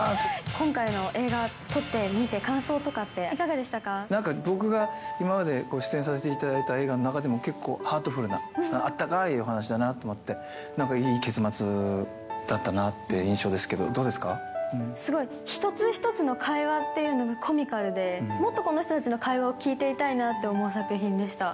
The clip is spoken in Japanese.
今回の映画、撮ってみて、なんか、僕が今まで出演させていただいた映画の中でも、結構、ハートフルなあったかーいお話だなぁと思って、なんかいい結末だったなっていう印象ですけすごい、一つ一つの会話っていうのがコミカルで、もっと、この人たちの会話を聞いていたいなって思う作品でした。